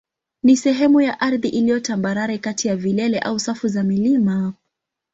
ni sehemu ya ardhi iliyo tambarare kati ya vilele au safu za milima.